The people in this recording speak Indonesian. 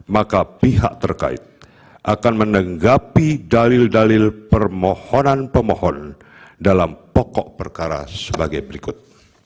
maka pihak terkait akan menanggapi dalil dalil permohonan pemohon dalam pokok perkara sebagai berikut